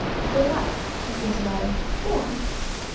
"It was," assented Otto; "go on."